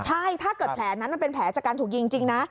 ใช่ถ้าเกิดแผลนั้นมันเป็นแผลจากการถูกยิงจริงนะ